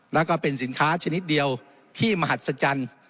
แล้วก็เป็นสินค้าชนิดเดียวที่มหัศจรรย์